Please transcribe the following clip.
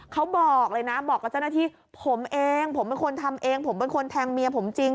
เขาบอกเลยนะบอกกับเจ้าหน้าที่ผมเองผมเป็นคนทำเองผมเป็นคนแทงเมียผมจริง